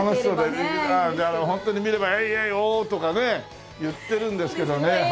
ホントに見れば「エイエイオー！」とかね言ってるんですけどね。